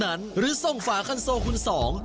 รายมือเท่านั้นหรือส่งฝาคันโซคุณสอง